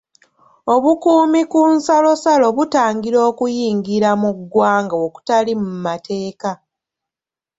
Obukuumi ku nsalosalo butangira okuyingira mu ggwanga okutali mu mateeka.